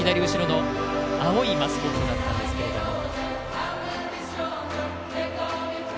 青いマスコットだったんですけれども。